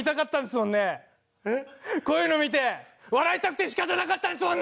こういうの見て笑いたくて仕方なかったですもんねー！